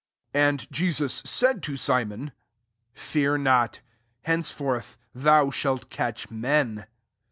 And Jesus said to Simon " Fear not ; henceforth thou shalt catch men."